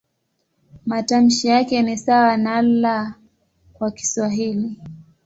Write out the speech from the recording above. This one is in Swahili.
Matamshi yake ni sawa na "L" kwa Kiswahili.